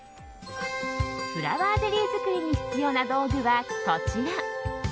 フラワーゼリー作りに必要な道具は、こちら。